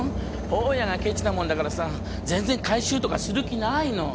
大家がケチなもんだからさ全然改修とかする気ないの。